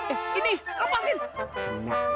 eh ini lepasin